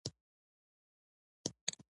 • ستا موسکا زړونه ژوندي کوي.